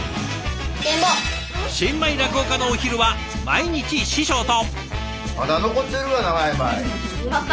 新米落語家のお昼は毎日師匠と！？